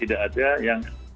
tidak ada yang